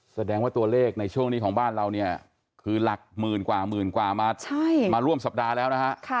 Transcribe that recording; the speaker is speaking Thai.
แสดงว่าตัวเลขในช่วงนี้ของบ้านเราเนี่ยคือหลัก๑๐๐๐๐กว่ามาร่วมสัปดาห์แล้วนะคะ